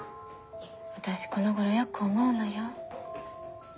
私このごろよく思うのよ。